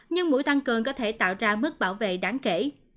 nhưng mũi tăng cường có thể tạo ra mức bảo vệ đáng kể